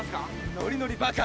ノリノリバカ。